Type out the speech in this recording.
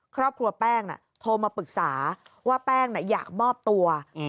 ครอบครัวแป้งโทรมาปรึกษาว่าแป้งอยากมอบตัว